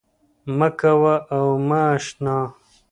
مـــــه كـــــوه او مـــه اشـــنـــا